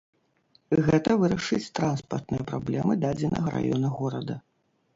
Гэта вырашыць транспартныя праблемы дадзенага раёна горада.